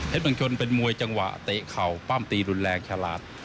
เมืองชนเป็นมวยจังหวะเตะเข่าปั้มตีรุนแรงฉลาด